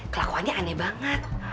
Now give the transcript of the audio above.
kelakuannya aneh banget